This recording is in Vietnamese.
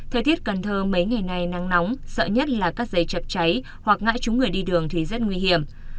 thời tiết cần thơ mấy ngày nay nắng nóng sợ nhất là các dây chập cháy hoặc ngã xuống người đi đường thì rất nguy hiểm